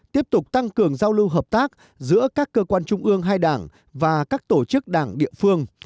tiếp tục tăng cường giao lưu hợp tác giữa các cơ quan trung ương hai đảng và các tổ chức đảng địa phương